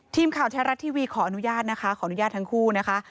ทีมข่าวแท้รัฐทีวีขออนุญาตนะคะขออนุญาตทั้งคู่นะคะ